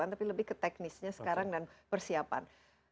tapi lebih ke teknisnya sekarang dan persiapan